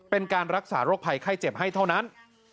เป็นการรักษาโรคภัยไข้เจ็บให้เท่านั้น